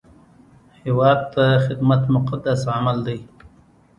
هیواد ته خدمت مقدس عمل دی